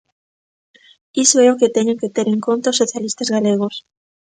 Iso é o que teñen que ter en conta os socialistas galegos.